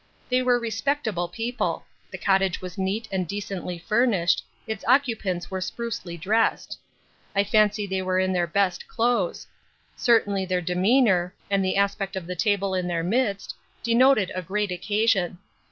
They were respectable people: the cottage was neat and decently furnished, its occupants were sprucely dressed. I fancy they were in their best clothes; certainly their demeanour and the aspect of the table in their midst denoted a great occasion.